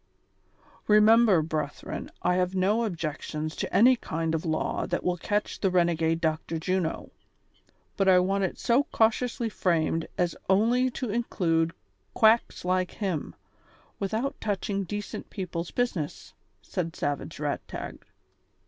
" Remember, brethren, I have no objections to any kind of a law that will catch the renegade Dr. Juno, but I want it so cautiously framed as only to include quacks like him, without touching decent people's business," said Savage Eagtag.